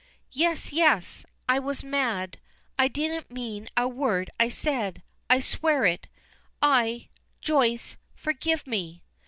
"Yes yes! I was mad! I didn't mean a word I said I swear it! I Joyce, forgive me!"